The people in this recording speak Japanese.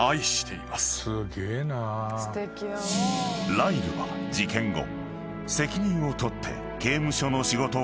［ライルは事件後責任を取って刑務所の仕事を辞め］